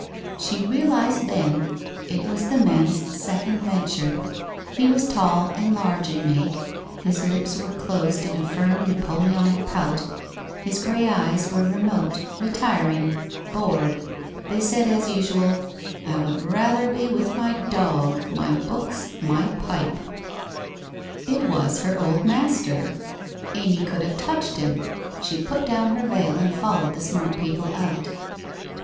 She realized (hen it was the man's second venture. IIo was tall and large in make, his lips were closed in a firm Napoleonic pout, his grey eyes were remote, retiring, bored — they said, as usual, ' I would rather be with my dog, my books, my pipe! ' 38 WHITE HOSE OF WEARY LEAF It was her old master. Amy could have touched him. She put down her veil and followed the smart people out.